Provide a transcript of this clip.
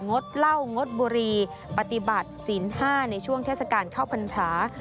ดเหล้างดบุรีปฏิบัติศีล๕ในช่วงเทศกาลเข้าพรรษา